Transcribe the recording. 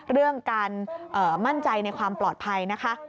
เรื่องการมั่นใจในความปลอดภัยนะคะ